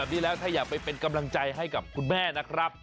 ที่แล้วถ้าอยากไปเป็นกำลังใจให้กับคุณแม่นะครับ